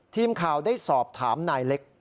ทีมข่าวได้สอบถามนายเล็ก